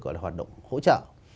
gọi là hoạt động hỗ trợ